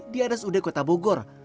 di rsud kota bogor